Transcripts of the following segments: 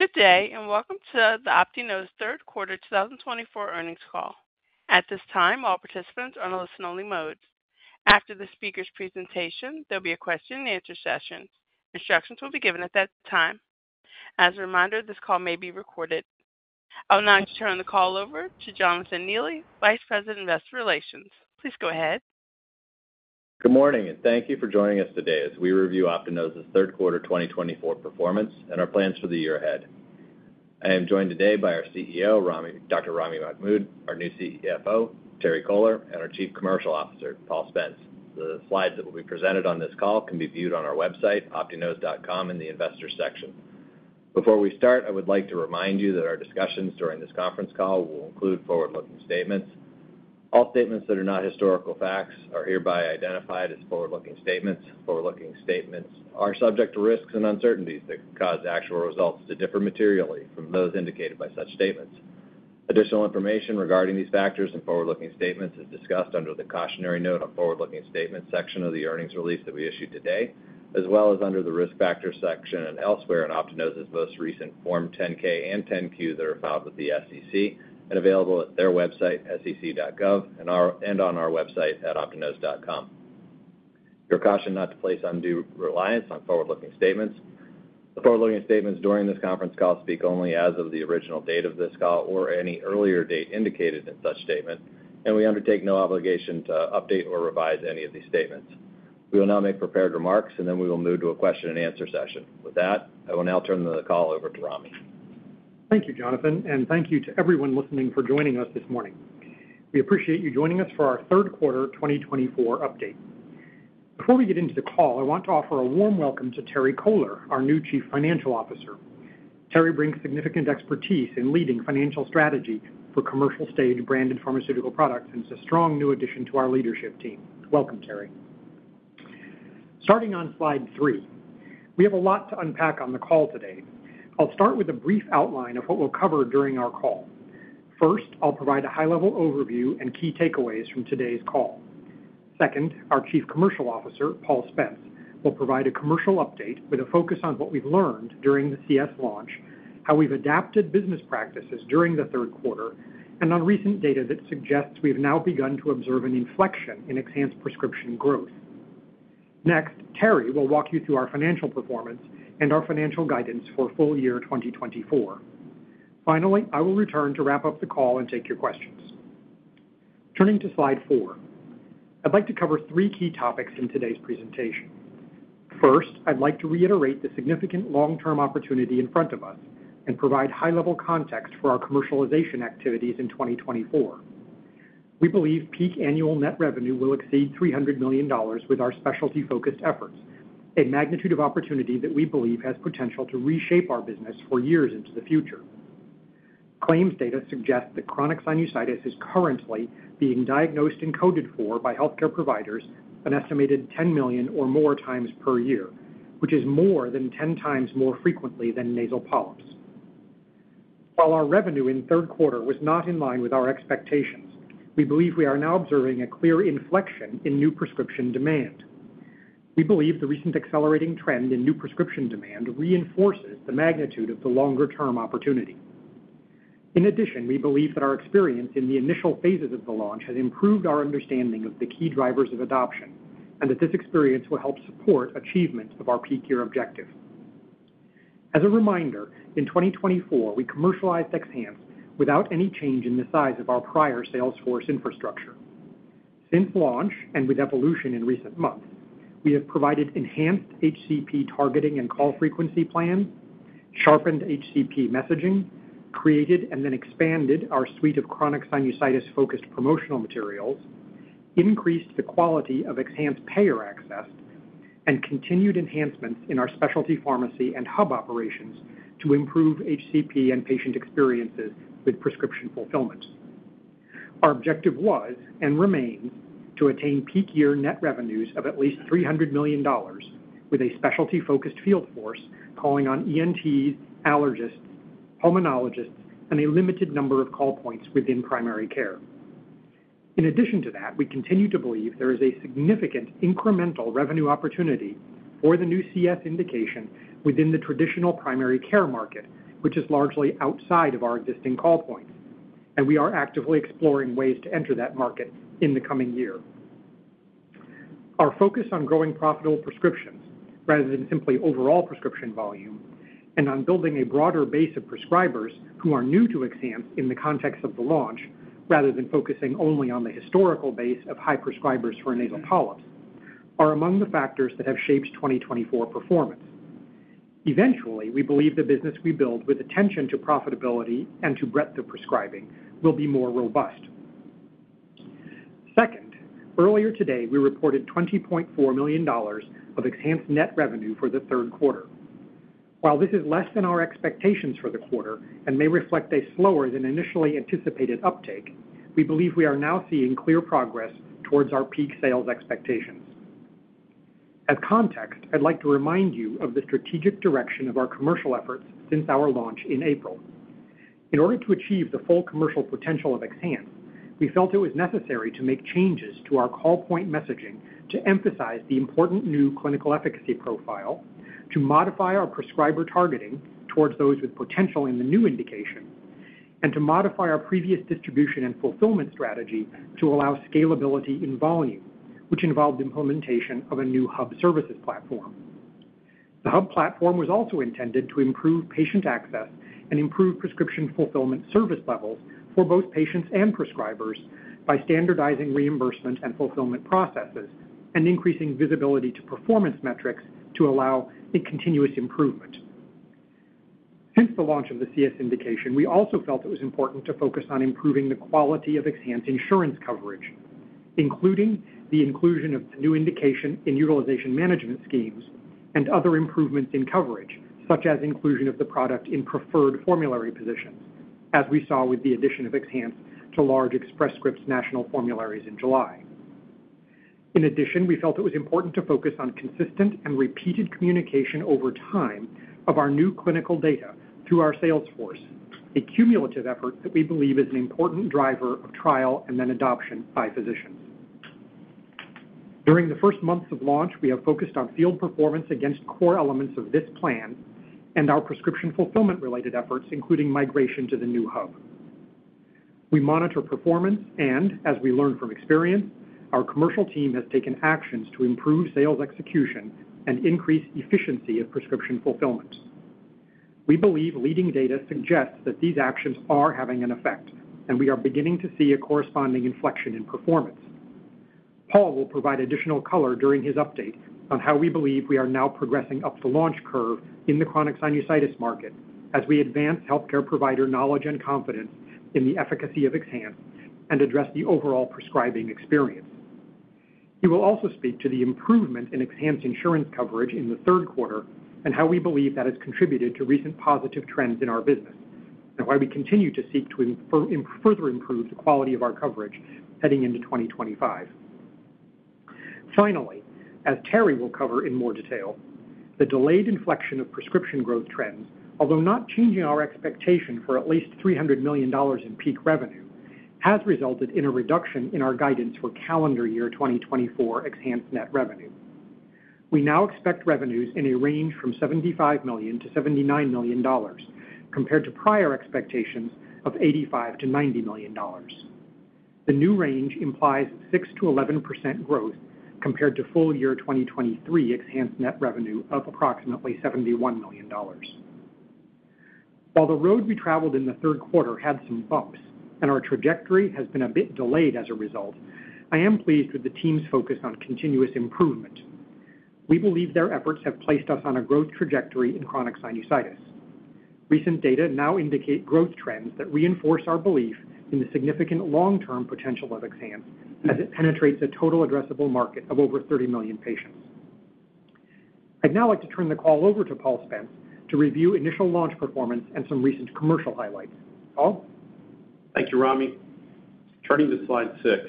Good day, and welcome to the Optinose Third Quarter 2024 Earnings Call. At this time, all participants are in a listen-only mode. After the speaker's presentation, there'll be a question-and-answer session. Instructions will be given at that time. As a reminder, this call may be recorded. I would now like to turn the call over to Jonathan Neely, Vice President of Investor Relations. Please go ahead. Good morning, and thank you for joining us today as we review Optinose's third quarter 2024 performance and our plans for the year ahead. I am joined today by our CEO, Dr. Ramy Mahmoud, our new CFO, Terry Kohler, and our Chief Commercial Officer, Paul Spence. The slides that will be presented on this call can be viewed on our website, optinose.com, in the Investors section. Before we start, I would like to remind you that our discussions during this conference call will include forward-looking statements. All statements that are not historical facts are hereby identified as forward-looking statements. Forward-looking statements are subject to risks and uncertainties that cause actual results to differ materially from those indicated by such statements. Additional information regarding these factors and forward-looking statements is discussed under the cautionary note on forward-looking statements section of the earnings release that we issued today, as well as under the risk factors section and elsewhere in Optinose's most recent Form 10-K and 10-Q that are filed with the SEC and available at their website, sec.gov, and on our website at optinose.com. We are cautioned not to place undue reliance on forward-looking statements. The forward-looking statements during this conference call speak only as of the original date of this call or any earlier date indicated in such statement, and we undertake no obligation to update or revise any of these statements. We will now make prepared remarks, and then we will move to a question-and-answer session. With that, I will now turn the call over to Ramy. Thank you, Jonathan, and thank you to everyone listening for joining us this morning. We appreciate you joining us for our third quarter 2024 update. Before we get into the call, I want to offer a warm welcome to Terry Kohler, our new Chief Financial Officer. Terry brings significant expertise in leading financial strategy for commercial-stage branded pharmaceutical products and is a strong new addition to our leadership team. Welcome, Terry. Starting on slide three, we have a lot to unpack on the call today. I'll start with a brief outline of what we'll cover during our call. First, I'll provide a high-level overview and key takeaways from today's call. Second, our Chief Commercial Officer, Paul Spence, will provide a commercial update with a focus on what we've learned during the CS launch, how we've adapted business practices during the third quarter, and on recent data that suggests we've now begun to observe an inflection in XHANCE prescription growth. Next, Terry will walk you through our financial performance and our financial guidance for full year 2024. Finally, I will return to wrap up the call and take your questions. Turning to slide four, I'd like to cover three key topics in today's presentation. First, I'd like to reiterate the significant long-term opportunity in front of us and provide high-level context for our commercialization activities in 2024. We believe peak annual net revenue will exceed $300 million with our specialty-focused efforts, a magnitude of opportunity that we believe has potential to reshape our business for years into the future. Claims data suggest that chronic sinusitis is currently being diagnosed and coded for by healthcare providers an estimated 10 million or more times per year, which is more than 10 times more frequently than nasal polyps. While our revenue in third quarter was not in line with our expectations, we believe we are now observing a clear inflection in new prescription demand. We believe the recent accelerating trend in new prescription demand reinforces the magnitude of the longer-term opportunity. In addition, we believe that our experience in the initial phases of the launch has improved our understanding of the key drivers of adoption and that this experience will help support achievement of our peak year objective. As a reminder, in 2024, we commercialized XHANCE without any change in the size of our prior sales force infrastructure. Since launch and with evolution in recent months, we have provided enhanced HCP targeting and call frequency plans, sharpened HCP messaging, created and then expanded our suite of chronic sinusitis-focused promotional materials, increased the quality of XHANCE payer access, and continued enhancements in our specialty pharmacy and hub operations to improve HCP and patient experiences with prescription fulfillment. Our objective was and remains to attain peak year net revenues of at least $300 million with a specialty-focused field force calling on ENTs, allergists, pulmonologists, and a limited number of call points within primary care. In addition to that, we continue to believe there is a significant incremental revenue opportunity for the new CS indication within the traditional primary care market, which is largely outside of our existing call points, and we are actively exploring ways to enter that market in the coming year. Our focus on growing profitable prescriptions rather than simply overall prescription volume and on building a broader base of prescribers who are new to XHANCE in the context of the launch rather than focusing only on the historical base of high prescribers for nasal polyps are among the factors that have shaped 2024 performance. Eventually, we believe the business we build with attention to profitability and to breadth of prescribing will be more robust. Second, earlier today, we reported $20.4 million of XHANCE net revenue for the third quarter. While this is less than our expectations for the quarter and may reflect a slower than initially anticipated uptake, we believe we are now seeing clear progress towards our peak sales expectations. As context, I'd like to remind you of the strategic direction of our commercial efforts since our launch in April. In order to achieve the full commercial potential of XHANCE, we felt it was necessary to make changes to our call point messaging to emphasize the important new clinical efficacy profile, to modify our prescriber targeting towards those with potential in the new indication, and to modify our previous distribution and fulfillment strategy to allow scalability in volume, which involved implementation of a new hub services platform. The hub platform was also intended to improve patient access and improve prescription fulfillment service levels for both patients and prescribers by standardizing reimbursement and fulfillment processes and increasing visibility to performance metrics to allow a continuous improvement. Since the launch of the CS indication, we also felt it was important to focus on improving the quality of XHANCE insurance coverage, including the inclusion of the new indication in utilization management schemes and other improvements in coverage, such as inclusion of the product in preferred formulary positions, as we saw with the addition of XHANCE to large Express Scripts national formularies in July. In addition, we felt it was important to focus on consistent and repeated communication over time of our new clinical data through our sales force, a cumulative effort that we believe is an important driver of trial and then adoption by physicians. During the first months of launch, we have focused on field performance against core elements of this plan and our prescription fulfillment-related efforts, including migration to the new hub. We monitor performance and, as we learn from experience, our commercial team has taken actions to improve sales execution and increase efficiency of prescription fulfillment. We believe leading data suggests that these actions are having an effect, and we are beginning to see a corresponding inflection in performance. Paul will provide additional color during his update on how we believe we are now progressing up the launch curve in the chronic sinusitis market as we advance healthcare provider knowledge and confidence in the efficacy of XHANCE and address the overall prescribing experience. He will also speak to the improvement in XHANCE insurance coverage in the third quarter and how we believe that has contributed to recent positive trends in our business and why we continue to seek to further improve the quality of our coverage heading into 2025. Finally, as Terry will cover in more detail, the delayed inflection of prescription growth trends, although not changing our expectation for at least $300 million in peak revenue, has resulted in a reduction in our guidance for calendar year 2024 XHANCE net revenue. We now expect revenues in a range from $75 million-$79 million, compared to prior expectations of $85 million-$90 million. The new range implies 6%-11% growth compared to full year 2023 XHANCE net revenue of approximately $71 million. While the road we traveled in the third quarter had some bumps and our trajectory has been a bit delayed as a result, I am pleased with the team's focus on continuous improvement. We believe their efforts have placed us on a growth trajectory in chronic sinusitis. Recent data now indicate growth trends that reinforce our belief in the significant long-term potential of XHANCE as it penetrates a total addressable market of over 30 million patients. I'd now like to turn the call over to Paul Spence to review initial launch performance and some recent commercial highlights. Paul? Thank you, Ramy. Turning to slide six,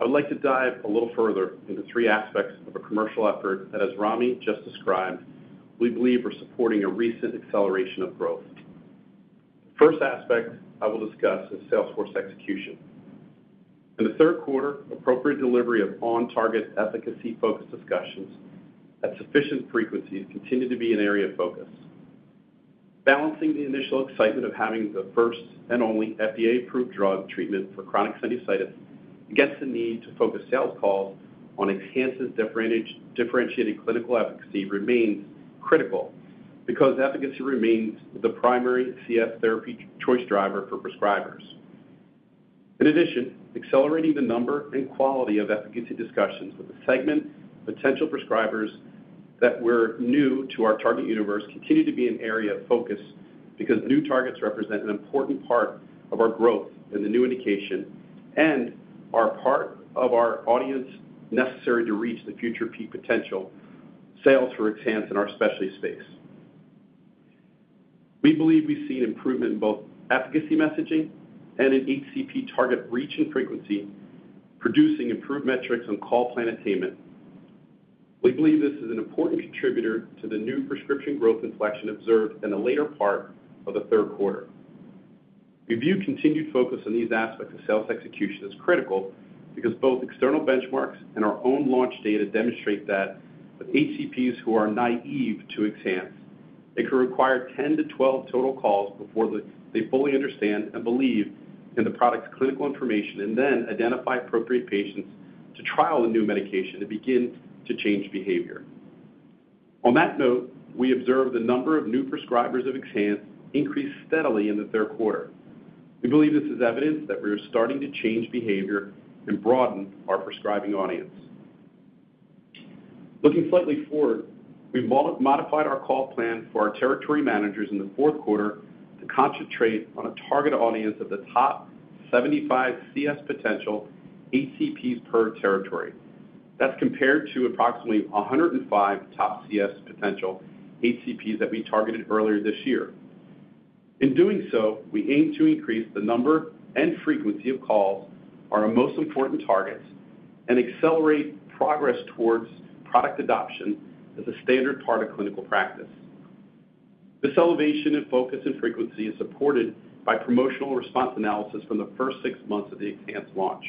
I would like to dive a little further into three aspects of a commercial effort that, as Ramy just described, we believe are supporting a recent acceleration of growth. The first aspect I will discuss is sales force execution. In the third quarter, appropriate delivery of on-target, efficacy-focused discussions at sufficient frequency continued to be an area of focus. Balancing the initial excitement of having the first and only FDA-approved drug treatment for chronic sinusitis against the need to focus sales calls on XHANCE's differentiated clinical efficacy remains critical because efficacy remains the primary CS therapy choice driver for prescribers. In addition, accelerating the number and quality of efficacy discussions with the segment of potential prescribers that were new to our target universe continued to be an area of focus because new targets represent an important part of our growth in the new indication and are part of our audience necessary to reach the future peak potential sales for XHANCE in our specialty space. We believe we've seen improvement in both efficacy messaging and in HCP target reach and frequency, producing improved metrics on call plan attainment. We believe this is an important contributor to the new prescription growth inflection observed in the later part of the third quarter. We view continued focus on these aspects of sales execution as critical because both external benchmarks and our own launch data demonstrate that with HCPs who are naïve to XHANCE, it can require 10-12 total calls before they fully understand and believe in the product's clinical information and then identify appropriate patients to trial the new medication and begin to change behavior. On that note, we observed the number of new prescribers of XHANCE increase steadily in the third quarter. We believe this is evidence that we are starting to change behavior and broaden our prescribing audience. Looking slightly forward, we modified our call plan for our territory managers in the fourth quarter to concentrate on a target audience of the top 75 CS potential HCPs per territory. That's compared to approximately 105 top CS potential HCPs that we targeted earlier this year. In doing so, we aim to increase the number and frequency of calls, our most important targets, and accelerate progress towards product adoption as a standard part of clinical practice. This elevation in focus and frequency is supported by promotional response analysis from the first six months of the XHANCE launch.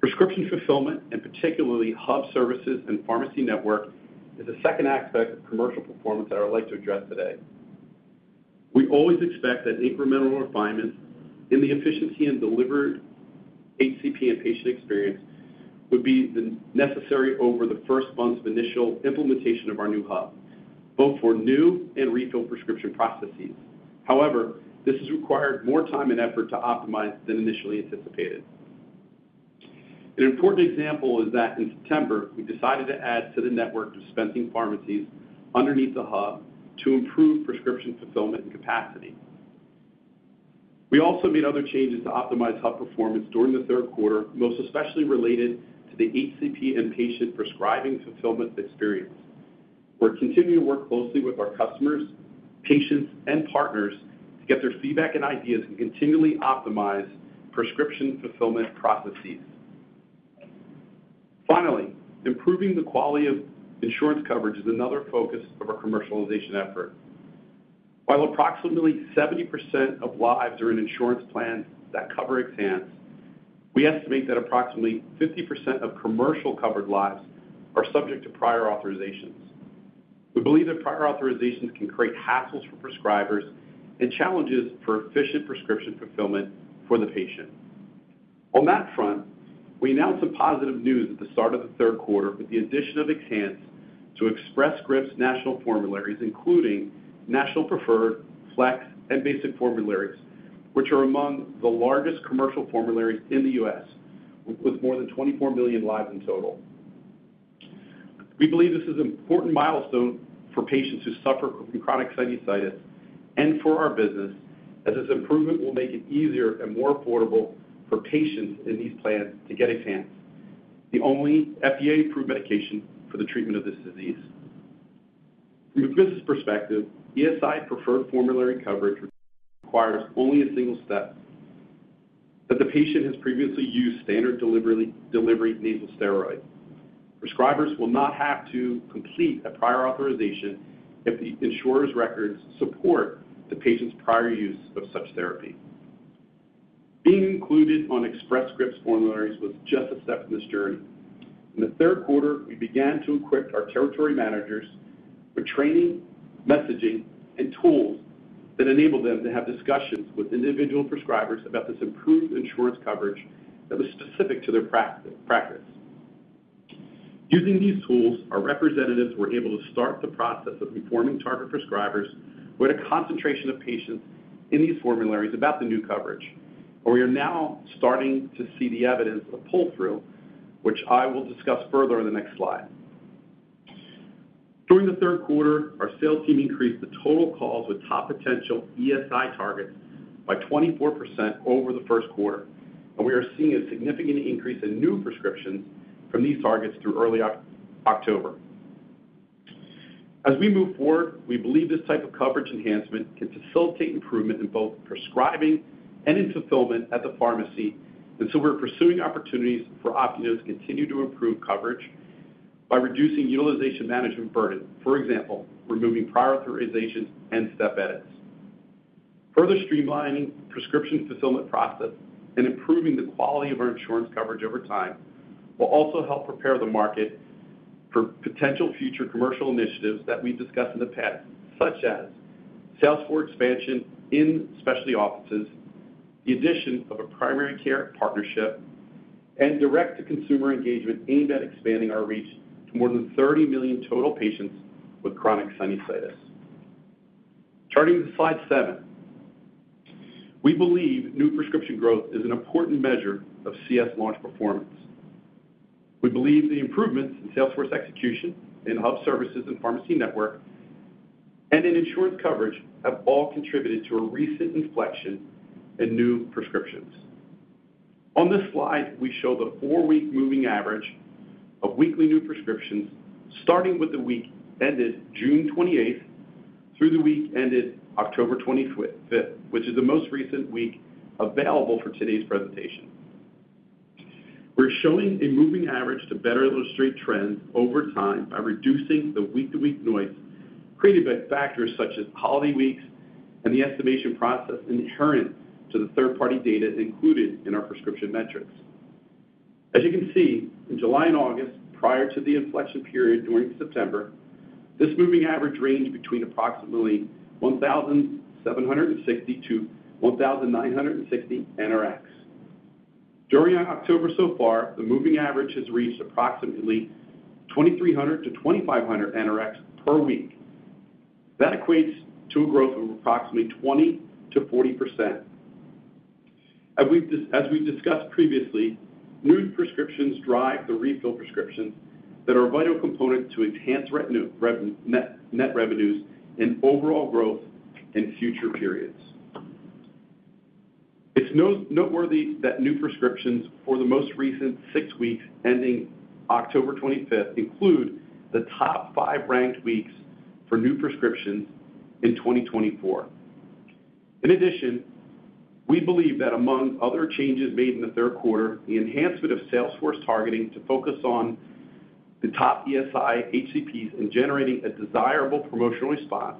Prescription fulfillment, and particularly hub services and pharmacy network, is the second aspect of commercial performance that I would like to address today. We always expect that incremental refinements in the efficiency and delivered HCP and patient experience would be necessary over the first months of initial implementation of our new hub, both for new and refill prescription processes. However, this has required more time and effort to optimize than initially anticipated. An important example is that in September, we decided to add to the network dispensing pharmacies underneath the hub to improve prescription fulfillment and capacity. We also made other changes to optimize hub performance during the third quarter, most especially related to the HCP and patient prescribing fulfillment experience. We're continuing to work closely with our customers, patients, and partners to get their feedback and ideas and continually optimize prescription fulfillment processes. Finally, improving the quality of insurance coverage is another focus of our commercialization effort. While approximately 70% of lives are in insurance plans that cover XHANCE, we estimate that approximately 50% of commercial covered lives are subject to prior authorizations. We believe that prior authorizations can create hassles for prescribers and challenges for efficient prescription fulfillment for the patient. On that front, we announced some positive news at the start of the third quarter with the addition of XHANCE to Express Scripts national formularies, including National Preferred, Flex, and Basic formularies, which are among the largest commercial formularies in the U.S. with more than 24 million lives in total. We believe this is an important milestone for patients who suffer from chronic sinusitis and for our business, as this improvement will make it easier and more affordable for patients in these plans to get XHANCE, the only FDA-approved medication for the treatment of this disease. From a business perspective, ESI-preferred formulary coverage requires only a single step: that the patient has previously used standard delivery nasal steroids. Prescribers will not have to complete a prior authorization if the insurer's records support the patient's prior use of such therapy. Being included on Express Scripts formularies was just a step in this journey. In the third quarter, we began to equip our territory managers with training, messaging, and tools that enabled them to have discussions with individual prescribers about this improved insurance coverage that was specific to their practice. Using these tools, our representatives were able to start the process of informing target prescribers where to concentrate patients in these formularies about the new coverage, and we are now starting to see the evidence of pull-through, which I will discuss further in the next slide. During the third quarter, our sales team increased the total calls with top potential ESI targets by 24% over the first quarter, and we are seeing a significant increase in new prescriptions from these targets through early October. As we move forward, we believe this type of coverage enhancement can facilitate improvement in both prescribing and in fulfillment at the pharmacy, and so we're pursuing opportunities for Optinose to continue to improve coverage by reducing utilization management burden, for example, removing prior authorizations and step edits. Further streamlining the prescription fulfillment process and improving the quality of our insurance coverage over time will also help prepare the market for potential future commercial initiatives that we've discussed in the past, such as sales force expansion in specialty offices, the addition of a primary care partnership, and direct-to-consumer engagement aimed at expanding our reach to more than 30 million total patients with chronic sinusitis. Turning to slide seven, we believe new prescription growth is an important measure of CS launch performance. We believe the improvements in sales force execution, in hub services and pharmacy network, and in insurance coverage have all contributed to a recent inflection in new prescriptions. On this slide, we show the four-week moving average of weekly new prescriptions, starting with the week ended June 28th through the week ended October 25th, which is the most recent week available for today's presentation. We're showing a moving average to better illustrate trends over time by reducing the week-to-week noise created by factors such as holiday weeks and the estimation process inherent to the third-party data included in our prescription metrics. As you can see, in July and August, prior to the inflection period during September, this moving average ranged between approximately 1,760-1,960 NRX. During October so far, the moving average has reached approximately 2,300-2,500 NRX per week. That equates to a growth of approximately 20%-40%. As we've discussed previously, new prescriptions drive the refill prescriptions that are a vital component to enhance net revenues and overall growth in future periods. It's noteworthy that new prescriptions for the most recent six weeks ending October 25th include the top five ranked weeks for new prescriptions in 2024. In addition, we believe that among other changes made in the third quarter, the enhancement of sales force targeting to focus on the top ESI HCPs and generating a desirable promotional response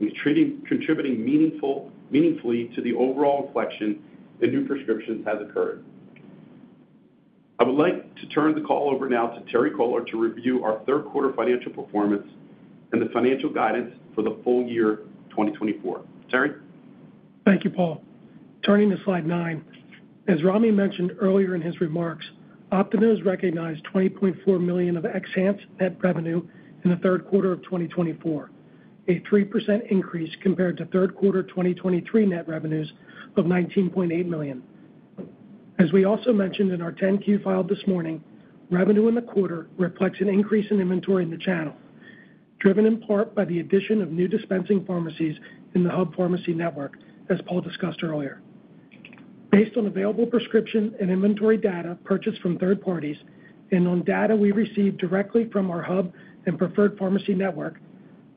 is contributing meaningfully to the overall inflection in new prescriptions that has occurred. I would like to turn the call over now to Terry Kohler to review our third-quarter financial performance and the financial guidance for the full year 2024. Terry? Thank you, Paul. Turning to slide nine, as Ramy mentioned earlier in his remarks, Optinose recognized 20.4 million of XHANCE net revenue in the third quarter of 2024, a 3% increase compared to third quarter 2023 net revenues of $19.8 million. As we also mentioned in our 10-Q file this morning, revenue in the quarter reflects an increase in inventory in the channel, driven in part by the addition of new dispensing pharmacies in the hub pharmacy network, as Paul discussed earlier. Based on available prescription and inventory data purchased from third parties and on data we received directly from our hub and preferred pharmacy network,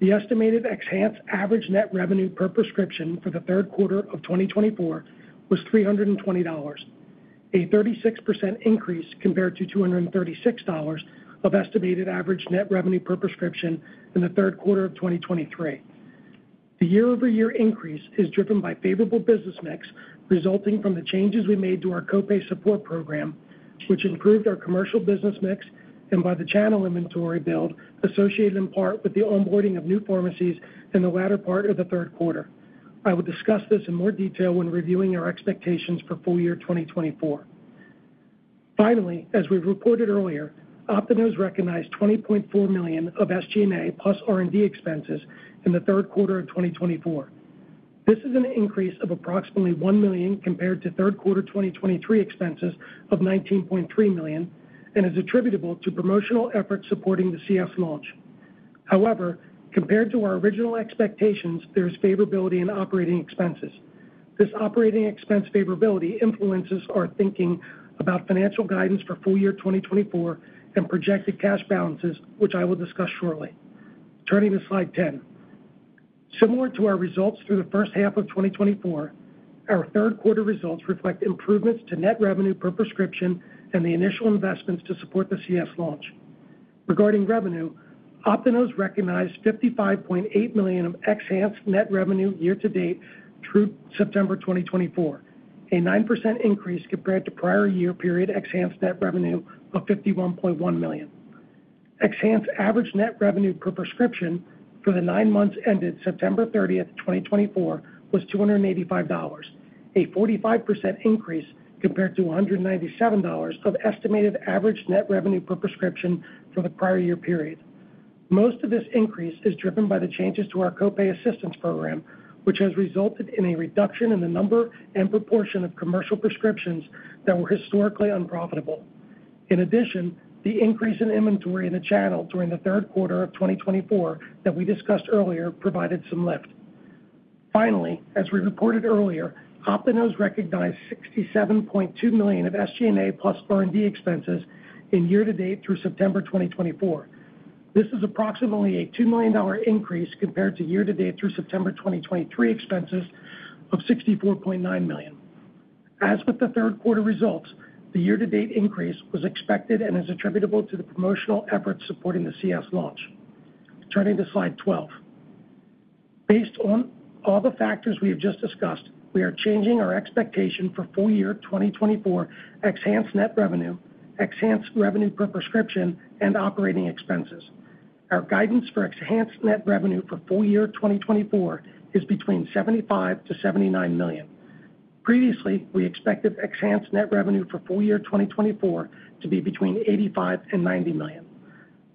the estimated XHANCE average net revenue per prescription for the third quarter of 2024 was $320, a 36% increase compared to $236 of estimated average net revenue per prescription in the third quarter of 2023. The year-over-year increase is driven by favorable business mix resulting from the changes we made to our copay support program, which improved our commercial business mix and by the channel inventory build associated in part with the onboarding of new pharmacies in the latter part of the third quarter. I will discuss this in more detail when reviewing our expectations for full year 2024. Finally, as we reported earlier, Optinose recognized $20.4 million of SG&A plus R&D expenses in the third quarter of 2024. This is an increase of approximately $1 million compared to third quarter 2023 expenses of $19.3 million and is attributable to promotional efforts supporting the CS launch. However, compared to our original expectations, there is favorability in operating expenses. This operating expense favorability influences our thinking about financial guidance for full year 2024 and projected cash balances, which I will discuss shortly. Turning to Slide 10, similar to our results through the first half of 2024, our third quarter results reflect improvements to net revenue per prescription and the initial investments to support the CS launch. Regarding revenue, Optinose recognized $55.8 million of XHANCE net revenue year-to-date through September 2024, a 9% increase compared to prior year period XHANCE net revenue of $51.1 million. XHANCE average net revenue per prescription for the nine months ended September 30th, 2024, was $285, a 45% increase compared to $197 of estimated average net revenue per prescription for the prior year period. Most of this increase is driven by the changes to our copay assistance program, which has resulted in a reduction in the number and proportion of commercial prescriptions that were historically unprofitable. In addition, the increase in inventory in the channel during the third quarter of 2024 that we discussed earlier provided some lift. Finally, as we reported earlier, Optinose recognized $67.2 million of SG&A plus R&D expenses in year-to-date through September 2024. This is approximately a $2 million increase compared to year-to-date through September 2023 expenses of $64.9 million. As with the third quarter results, the year-to-date increase was expected and is attributable to the promotional efforts supporting the CS launch. Turning to slide 12, based on all the factors we have just discussed, we are changing our expectation for full year 2024 XHANCE net revenue, XHANCE revenue per prescription, and operating expenses. Our guidance for XHANCE net revenue for full year 2024 is between $75 million to $79 million. Previously, we expected XHANCE net revenue for full year 2024 to be between $85 million and $90 million.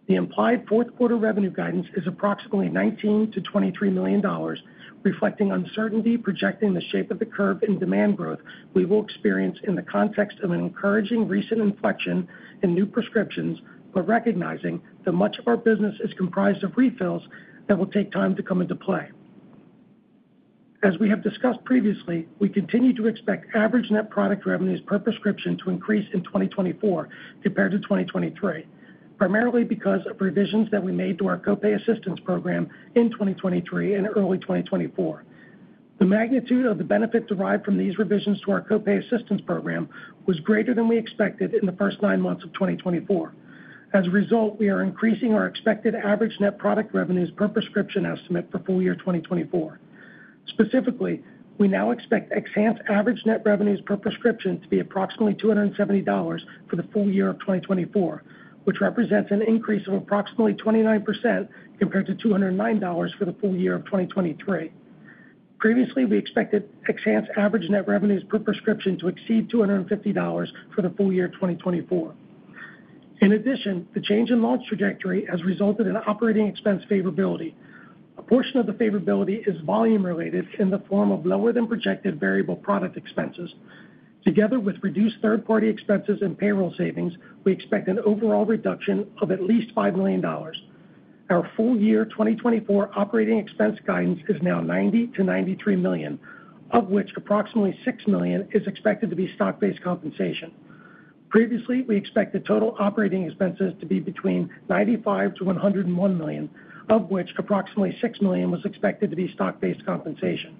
The implied fourth quarter revenue guidance is approximately $19 million-$23 million, reflecting uncertainty projecting the shape of the curve in demand growth we will experience in the context of an encouraging recent inflection in new prescriptions, but recognizing that much of our business is comprised of refills that will take time to come into play. As we have discussed previously, we continue to expect average net product revenues per prescription to increase in 2024 compared to 2023, primarily because of revisions that we made to our copay assistance program in 2023 and early 2024. The magnitude of the benefit derived from these revisions to our copay assistance program was greater than we expected in the first nine months of 2024. As a result, we are increasing our expected average net product revenues per prescription estimate for full year 2024. Specifically, we now expect XHANCE average net revenues per prescription to be approximately $270 for the full year of 2024, which represents an increase of approximately 29% compared to $209 for the full year of 2023. Previously, we expected XHANCE average net revenues per prescription to exceed $250 for the full year 2024. In addition, the change in launch trajectory has resulted in operating expense favorability. A portion of the favorability is volume-related in the form of lower-than-projected variable product expenses. Together with reduced third-party expenses and payroll savings, we expect an overall reduction of at least $5 million. Our full year 2024 operating expense guidance is now $90 million-93 million, of which approximately $6 million is expected to be stock-based compensation. Previously, we expected total operating expenses to be between $95 million-101 million, of which approximately $6 million was expected to be stock-based compensation.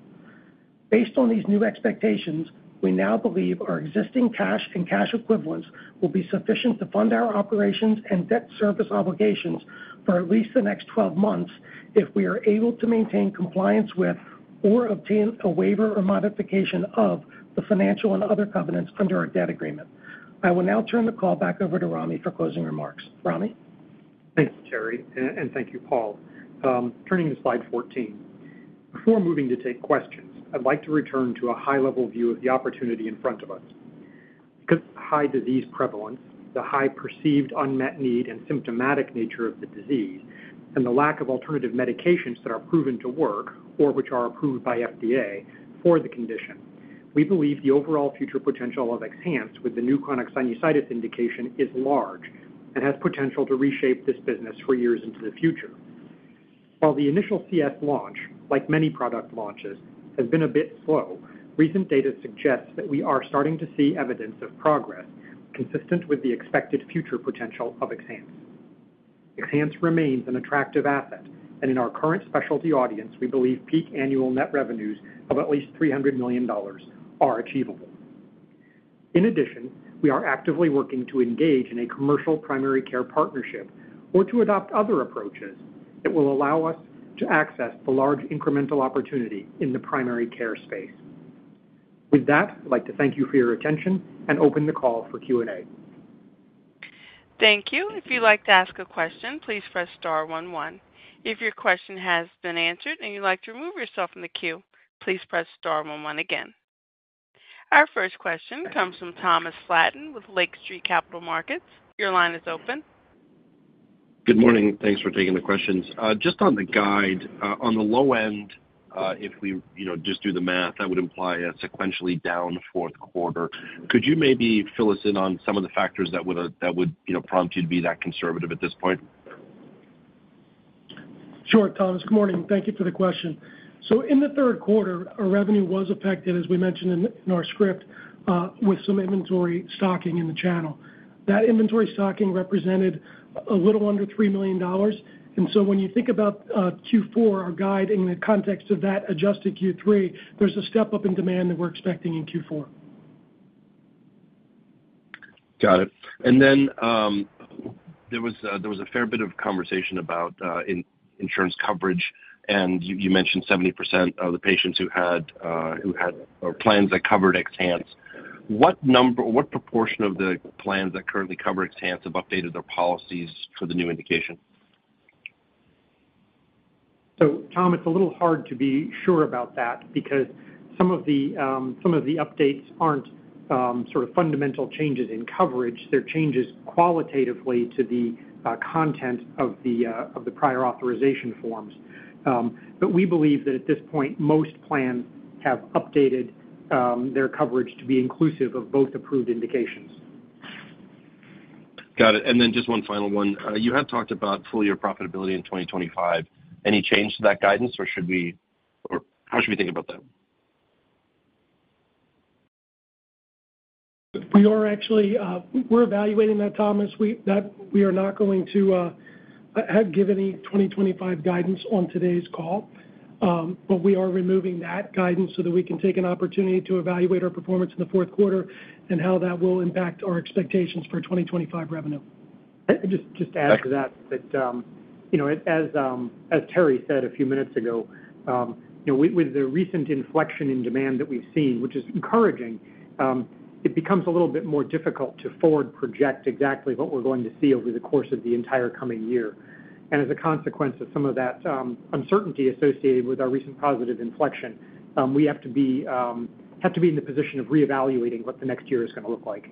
Based on these new expectations, we now believe our existing cash and cash equivalents will be sufficient to fund our operations and debt service obligations for at least the next 12 months if we are able to maintain compliance with or obtain a waiver or modification of the financial and other covenants under our debt agreement. I will now turn the call back over to Ramy for closing remarks. Ramy? Thanks, Terry, and thank you, Paul. Turning to slide 14, before moving to take questions, I'd like to return to a high-level view of the opportunity in front of us. Because of the high disease prevalence, the high perceived unmet need and symptomatic nature of the disease, and the lack of alternative medications that are proven to work or which are approved by FDA for the condition, we believe the overall future potential of XHANCE with the new chronic sinusitis indication is large and has potential to reshape this business for years into the future. While the initial CS launch, like many product launches, has been a bit slow, recent data suggests that we are starting to see evidence of progress consistent with the expected future potential of XHANCE. XHANCE remains an attractive asset, and in our current specialty audience, we believe peak annual net revenues of at least $300 million are achievable. In addition, we are actively working to engage in a commercial primary care partnership or to adopt other approaches that will allow us to access the large incremental opportunity in the primary care space. With that, I'd like to thank you for your attention and open the call for Q&A. Thank you. If you'd like to ask a question, please press *11. If your question has been answered and you'd like to remove yourself from the queue, please press *11 again. Our first question comes from Thomas Flaten with Lake Street Capital Markets. Your line is open. Good morning. Thanks for taking the questions. Just on the guide, on the low end, if we just do the math, that would imply a sequentially down fourth quarter. Could you maybe fill us in on some of the factors that would prompt you to be that conservative at this point? Sure, Thomas. Good morning. Thank you for the question. So in the third quarter, our revenue was affected, as we mentioned in our script, with some inventory stocking in the channel. That inventory stocking represented a little under $3 million. And so when you think about Q4, our guide, in the context of that adjusted Q3, there's a step up in demand that we're expecting in Q4. Got it. And then there was a fair bit of conversation about insurance coverage, and you mentioned 70% of the patients who had plans that covered XHANCE. What proportion of the plans that currently cover XHANCE have updated their policies for the new indication? So Tom, it's a little hard to be sure about that because some of the updates aren't sort of fundamental changes in coverage. They're changes qualitatively to the content of the prior authorization forms. But we believe that at this point, most plans have updated their coverage to be inclusive of both approved indications. Got it. And then just one final one. You had talked about full year profitability in 2025. Any change to that guidance, or how should we think about that? We are actually evaluating that, Thomas. We are not going to give any 2025 guidance on today's call, but we are removing that guidance so that we can take an opportunity to evaluate our performance in the fourth quarter and how that will impact our expectations for 2025 revenue. Just to add to that, as Terry said a few minutes ago, with the recent inflection in demand that we've seen, which is encouraging, it becomes a little bit more difficult to forward project exactly what we're going to see over the course of the entire coming year, and as a consequence of some of that uncertainty associated with our recent positive inflection, we have to be in the position of reevaluating what the next year is going to look like.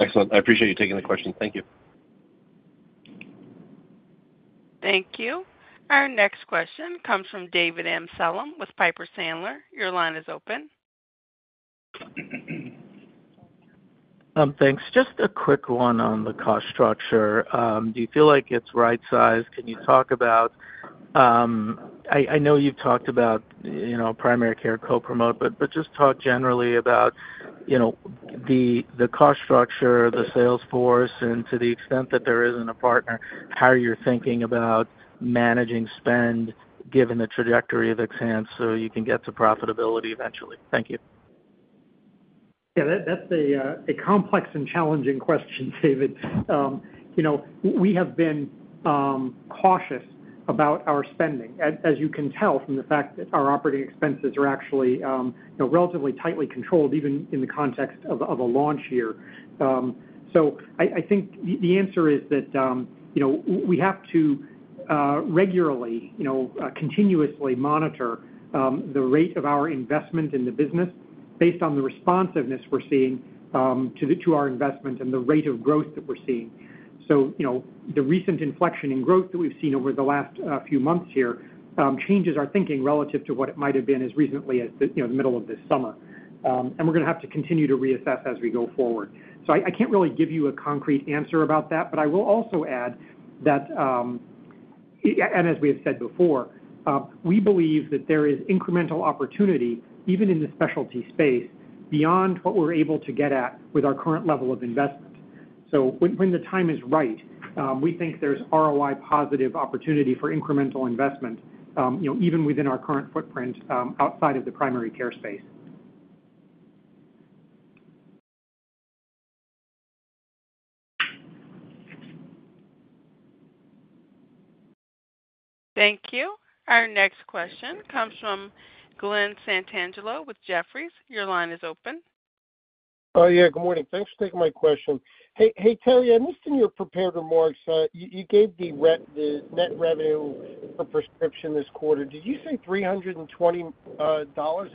Excellent. I appreciate you taking the question. Thank you. Thank you. Our next question comes from David Amsellem with Piper Sandler. Your line is open. Thanks. Just a quick one on the cost structure. Do you feel like it's right-sized? Can you talk about, I know you've talked about primary care co-promote, but just talk generally about the cost structure, the sales force, and to the extent that there isn't a partner, how you're thinking about managing spend given the trajectory of XHANCE so you can get to profitability eventually. Thank you. Yeah, that's a complex and challenging question, David. We have been cautious about our spending, as you can tell from the fact that our operating expenses are actually relatively tightly controlled, even in the context of a launch year. So I think the answer is that we have to regularly, continuously monitor the rate of our investment in the business based on the responsiveness we're seeing to our investment and the rate of growth that we're seeing. So the recent inflection in growth that we've seen over the last few months here changes our thinking relative to what it might have been as recently as the middle of this summer. And we're going to have to continue to reassess as we go forward. So I can't really give you a concrete answer about that, but I will also add that, and as we have said before, we believe that there is incremental opportunity, even in the specialty space, beyond what we're able to get at with our current level of investment. So when the time is right, we think there's ROI positive opportunity for incremental investment, even within our current footprint outside of the primary care space. Thank you. Our next question comes from Glen Santangelo with Jefferies. Your line is open. Oh, yeah. Good morning. Thanks for taking my question. Hey, Terry, I missed in your prepared remarks. You gave the net revenue per prescription this quarter. Did you say $320?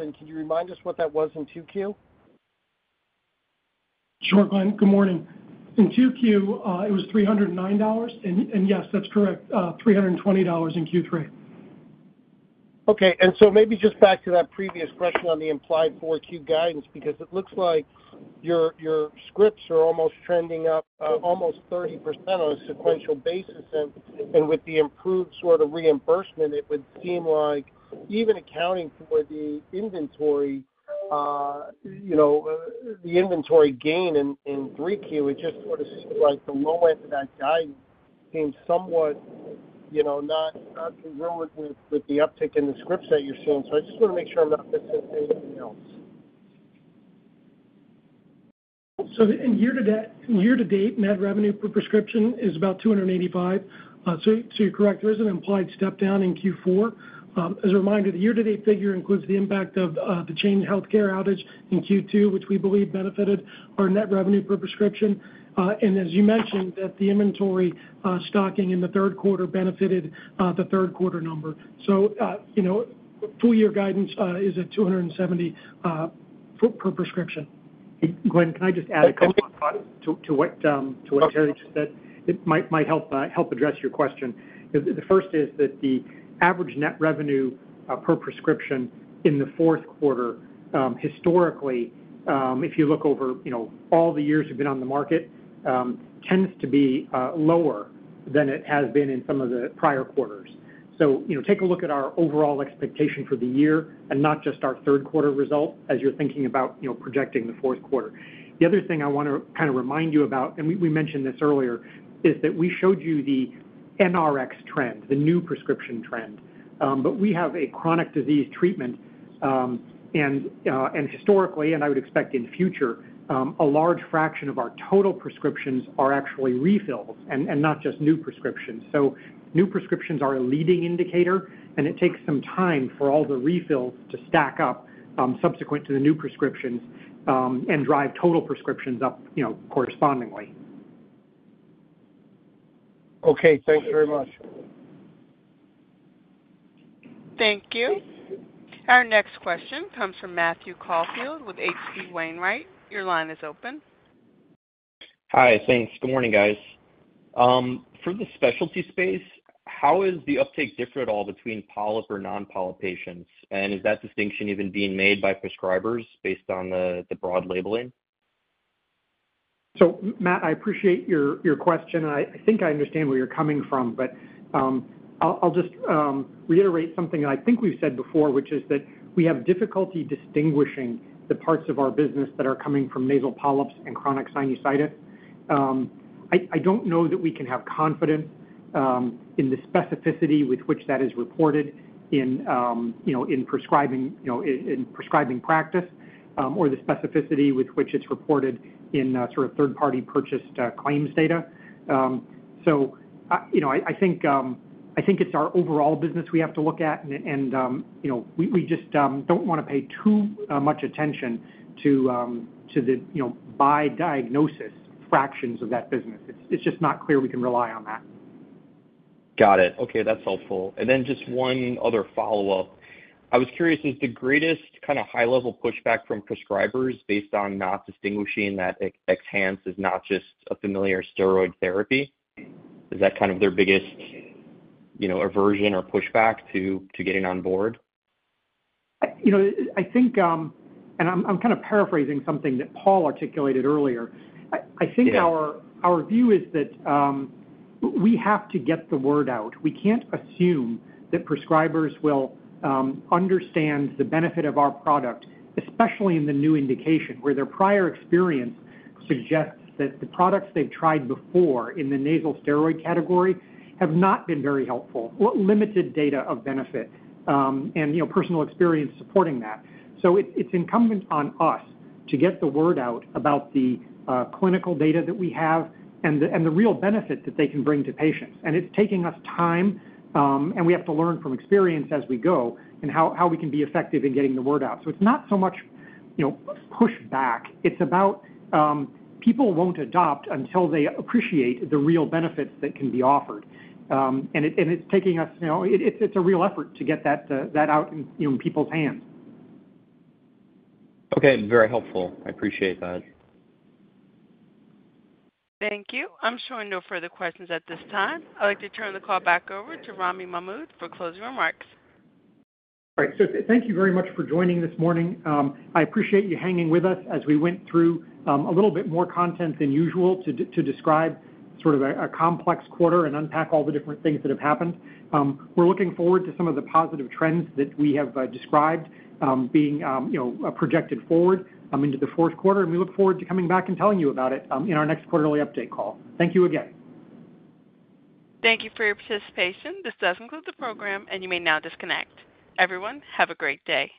And can you remind us what that was in 2Q? Sure, Glen. Good morning. In 2Q, it was $309, and yes, that's correct. $320 in Q3. Okay. And so maybe just back to that previous question on the implied 4Q guidance, because it looks like your scripts are almost trending up almost 30% on a sequential basis. And with the improved sort of reimbursement, it would seem like even accounting for the inventory gain in 3Q, it just sort of seems like the low end of that guidance seems somewhat not congruent with the uptick in the scripts that you're seeing. So I just want to make sure I'm not missing anything else. In year-to-date, net revenue per prescription is about $285. So you're correct. There is an implied step down in Q4. As a reminder, the year-to-date figure includes the impact of the Change Healthcare outage in Q2, which we believe benefited our net revenue per prescription. And as you mentioned, the inventory stocking in the third quarter benefited the third quarter number. So full year guidance is at $270 per prescription. Glen, can I just add a couple of thoughts to what Terry just said? It might help address your question. The first is that the average net revenue per prescription in the fourth quarter, historically, if you look over all the years we've been on the market, tends to be lower than it has been in some of the prior quarters. So take a look at our overall expectation for the year and not just our third quarter result as you're thinking about projecting the fourth quarter. The other thing I want to kind of remind you about, and we mentioned this earlier, is that we showed you the NRX trend, the new prescription trend. But we have a chronic disease treatment, and historically, and I would expect in future, a large fraction of our total prescriptions are actually refills and not just new prescriptions. New prescriptions are a leading indicator, and it takes some time for all the refills to stack up subsequent to the new prescriptions and drive total prescriptions up correspondingly. Okay. Thanks very much. Thank you. Our next question comes from Matthew Caufield with H.C. Wainwright. Your line is open. Hi. Thanks. Good morning, guys. For the specialty space, how is the uptake different at all between polyp or non-polyp patients? And is that distinction even being made by prescribers based on the broad labeling? So Matt, I appreciate your question. I think I understand where you're coming from, but I'll just reiterate something that I think we've said before, which is that we have difficulty distinguishing the parts of our business that are coming from nasal polyps and chronic sinusitis. I don't know that we can have confidence in the specificity with which that is reported in prescribing practice or the specificity with which it's reported in sort of third-party purchased claims data. So I think it's our overall business we have to look at, and we just don't want to pay too much attention to the by diagnosis fractions of that business. It's just not clear we can rely on that. Got it. Okay. That's helpful. And then just one other follow-up. I was curious, is the greatest kind of high-level pushback from prescribers based on not distinguishing that XHANCE is not just a familiar steroid therapy? Is that kind of their biggest aversion or pushback to getting on board? I think, and I'm kind of paraphrasing something that Paul articulated earlier, I think our view is that we have to get the word out. We can't assume that prescribers will understand the benefit of our product, especially in the new indication where their prior experience suggests that the products they've tried before in the nasal steroid category have not been very helpful or limited data of benefit and personal experience supporting that. So it's incumbent on us to get the word out about the clinical data that we have and the real benefit that they can bring to patients. And it's taking us time, and we have to learn from experience as we go and how we can be effective in getting the word out. So it's not so much pushback. It's about people won't adopt until they appreciate the real benefits that can be offered. It's a real effort to get that out in people's hands. Okay. Very helpful. I appreciate that. Thank you. I'm showing no further questions at this time. I'd like to turn the call back over to Ramy Mahmoud for closing remarks. All right. So thank you very much for joining this morning. I appreciate you hanging with us as we went through a little bit more content than usual to describe sort of a complex quarter and unpack all the different things that have happened. We're looking forward to some of the positive trends that we have described being projected forward into the fourth quarter, and we look forward to coming back and telling you about it in our next quarterly update call. Thank you again. Thank you for your participation. This does conclude the program, and you may now disconnect. Everyone, have a great day.